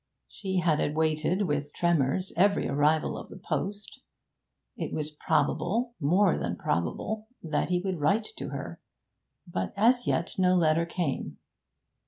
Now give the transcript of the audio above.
She had awaited with tremors every arrival of the post. It was probable more than probable that he would write to her; but as yet no letter came.